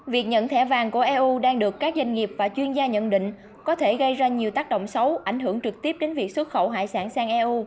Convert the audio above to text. việc nhận thẻ vàng của eu đang được các doanh nghiệp và chuyên gia nhận định có thể gây ra nhiều tác động xấu ảnh hưởng trực tiếp đến việc xuất khẩu hải sản sang eu